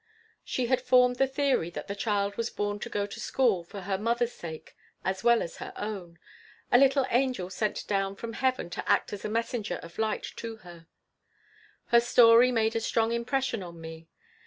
She had formed the theory that the child was born to go to school for her mother's sake as well as her own a little angel sent down from heaven to act as a messenger of light to her Her story made a strong impression on me.